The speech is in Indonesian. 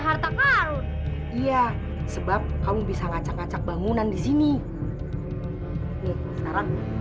harta karun iya sebab kamu bisa ngacak ngacak bangunan di sini sekarang